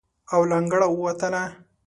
او له انګړه ووتله.